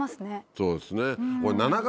そうですね。